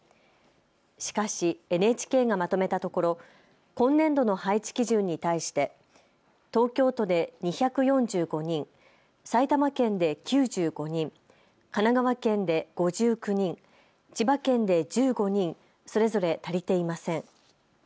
しかしＮＨＫがまとめたところ今年度の配置基準に対して東京都で２４５人、埼玉県で９５人、神奈川県で５９人、千葉県で１５人、それぞれ足りていません。